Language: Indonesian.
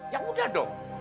yang muda dong